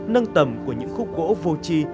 nâng tầm của những khúc gỗ vô chi